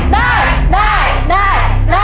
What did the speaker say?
ได้